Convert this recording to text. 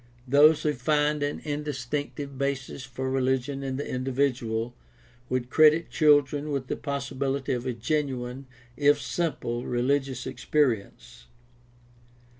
Those who find an instinctive basis for religion in the in dividual would credit children with the possibility of a genuine, if simple, religious experience.